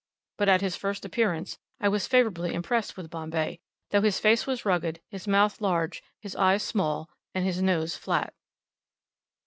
But, at his first appearance, I was favourably impressed with Bombay, though his face was rugged, his mouth large, his eyes small, and his nose flat.